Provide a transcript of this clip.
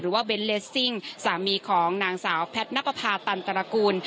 เบนเลสซิ่งสามีของนางสาวแพทย์นับประพาตันตระกูล